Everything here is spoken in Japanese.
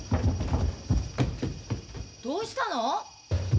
どうしたの！？